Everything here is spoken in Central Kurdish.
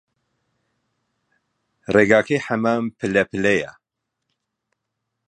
ڕێگاکەی حەمام پللە پللەیە